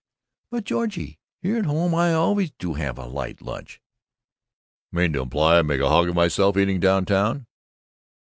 "But Georgie, here at home I always do have a light lunch." "Mean to imply I make a hog of myself, eating down town?